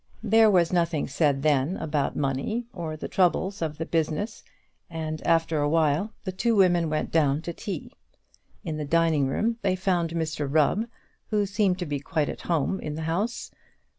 There was nothing said then about money or the troubles of the business, and after a while the two women went down to tea. In the dining room they found Mr Rubb, who seemed to be quite at home in the house.